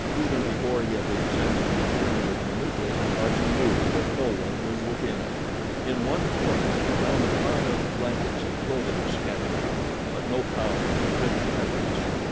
Even before he had examined the interior minutely, Tarzan knew that no one was within it. In one corner he found a pile of blankets and clothing scattered about; but no pouch of pretty pebbles.